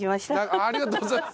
ありがとうございます。